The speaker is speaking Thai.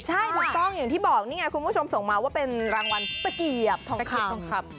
ใช่ถูกต้องอย่างที่บอกนี่ไงคุณผู้ชมส่งมาว่าเป็นรางวัลตะเกียบทองคำ